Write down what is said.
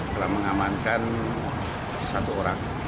telah mengamankan satu orang